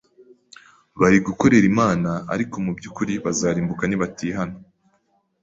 bari gukorera Imana ariko mu byukuri bazarimbuka nibatihana